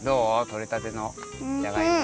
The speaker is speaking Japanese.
とれたてのじゃがいも。